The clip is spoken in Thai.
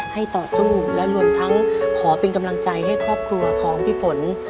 ให้ต่อสู้และรวมทั้งขอเป็นกำลังใจให้ครอบครัวของพี่ฝน